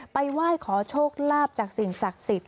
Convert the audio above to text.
ไหว้ขอโชคลาภจากสิ่งศักดิ์สิทธิ